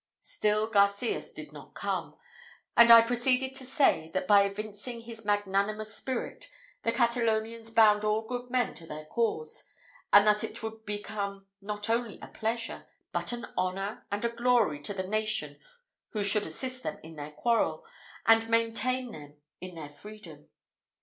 Still Garcias did not come; and I proceeded to say, that by evincing this magnanimous spirit, the Catalonians bound all good men to their cause, and that it would become not only a pleasure, but an honour and a glory to the nation who should assist them in their quarrel, and maintain them in their freedom.